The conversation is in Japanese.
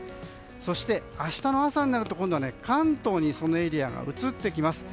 そして明日の朝になると関東にそのエリアが移ってきます。